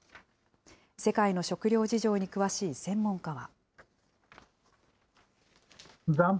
世界の食料事情に詳しい専門家は。